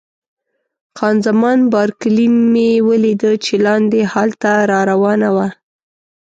خان زمان بارکلي مې ولیده چې لاندې هال ته را روانه وه.